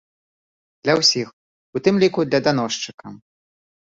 Для ўсіх, у тым ліку для даносчыка.